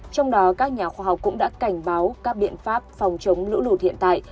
trong đó các nhà khoa học cũng đã cảnh báo các biện pháp phòng chống lũ lụt hiện tại